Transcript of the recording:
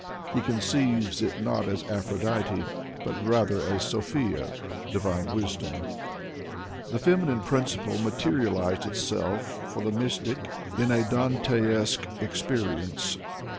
He conceives it not as Aphrodite, but rather as Sophia: Divine Wisdom. This feminine principle materialized itself for the mystic in a Dantesque experience.